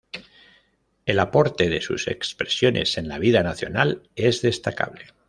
El aporte de sus expresiones en la vida nacional es destacable.